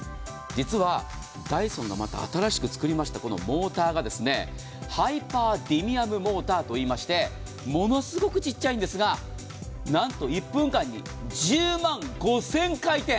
実はダイソンの新しく作りましたこのモーターがハイパーディミアムモーターといいましてものすごく小さいんですがなんと１分間に１０万５０００回転。